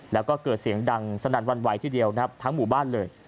แล้วก็เกิดเสียงดังสนั่นวันไหวทีเดียวนะครับทั้งหมู่บ้านเลย